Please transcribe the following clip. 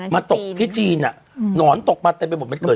มาตกที่จีนหนอนตกมาเต็มไปหมดมันเกิด